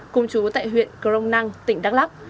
cùng chú tại huyện cờ rông năng tỉnh đắk lắk